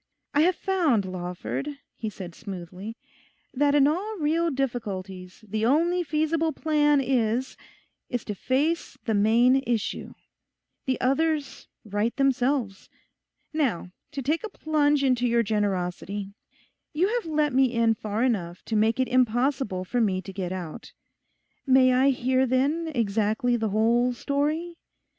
'I have found, Lawford,' he said smoothly, 'that in all real difficulties the only feasible plan is—is to face the main issue. The others right themselves. Now, to take a plunge into your generosity. You have let me in far enough to make it impossible for me to get out—may I hear then exactly the whole story?